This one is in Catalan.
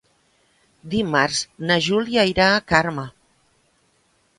Dimarts na Júlia irà a Carme.